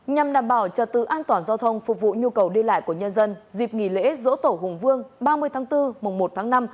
nhằm đảm bảo trật tự an toàn giao thông phục vụ nhu cầu đi lại của nhân dân dịp nghỉ lễ dỗ tổ hùng vương ba mươi tháng bốn mùng một tháng năm